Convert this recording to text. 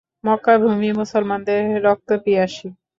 মক্কাভূমি মুসলমানদের রক্ত পিয়াসী।